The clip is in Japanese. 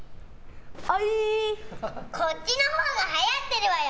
こっちのほうが流行ってるわよ！